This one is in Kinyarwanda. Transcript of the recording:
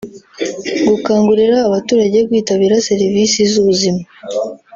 gukangurira abaturage kwitabira serivisi z’ubuzima